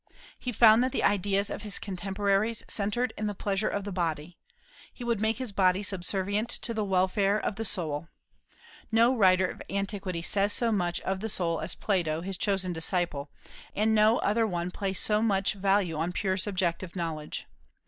He found that the ideas of his contemporaries centred in the pleasure of the body: he would make his body subservient to the welfare of the soul. No writer of antiquity says so much of the soul as Plato, his chosen disciple, and no other one placed so much value on pure subjective knowledge.